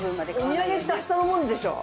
お土産って明日のものでしょう。